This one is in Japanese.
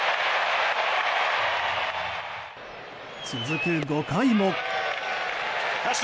続く５回も。